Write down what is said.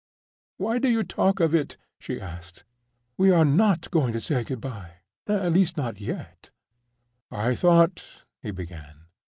"Why do you talk of it?" she asked. "We are not going to say good by, at least not yet." "I thought—" he began.